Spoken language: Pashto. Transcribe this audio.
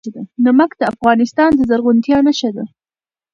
نمک د افغانستان د زرغونتیا نښه ده.